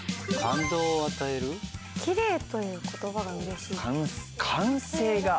「きれい」という言葉が嬉しい。